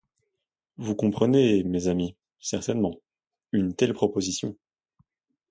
Vous comprenez… mes amis… certainement… une telle proposition…